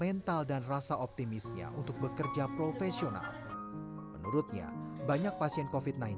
mental dan rasa optimisnya untuk bekerja profesional menurutnya banyak pasien kofit sembilan belas